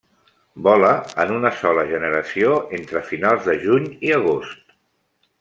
Vola en una sola generació entre finals de juny i agost.